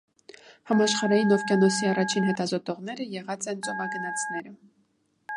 Համաշխարհային ովկիանոսի առաջին հետազոտողները եղած են ծովագնացները։